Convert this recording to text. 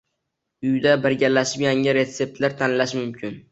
Uyda birgalashib yangi retseptlar tanlash mumkin.